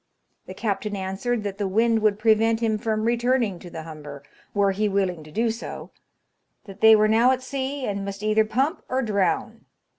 The captain answered that the wind would prevent him from returning to the Humber, were he willing to do so, that they were now at sea, and must either pump or drown.